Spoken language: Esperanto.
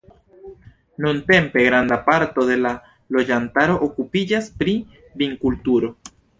Nuntempe granda parto de la loĝantaro okupiĝas pri vinkulturo.